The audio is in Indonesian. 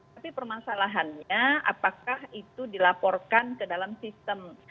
tapi permasalahannya apakah itu dilaporkan ke dalam sistem